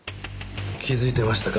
気づいてましたか。